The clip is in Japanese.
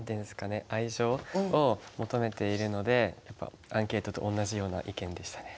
愛情を求めているのでやっぱアンケートと同じような意見でしたね。